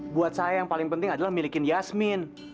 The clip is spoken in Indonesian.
buat saya yang paling penting adalah milikin yasmin